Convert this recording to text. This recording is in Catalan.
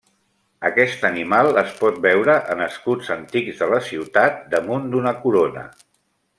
Aquest animal es pot veure en escuts antics de la ciutat damunt d'una corona.